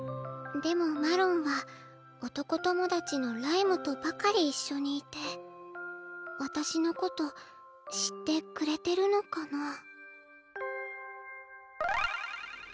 でもマロンは男友達のライムとばかり一緒にいて私のこと知ってくれてるのかな。